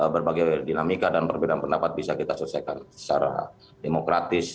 berbagai dinamika dan perbedaan pendapat bisa kita selesaikan secara demokratis